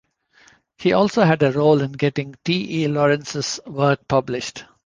He also had a role in getting T. E. Lawrence's work published.